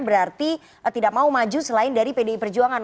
berarti tidak mau maju selain dari pdi perjuangan